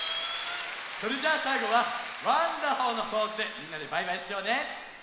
それじゃあさいごは「ワンダホー」のポーズでみんなでバイバイしようね！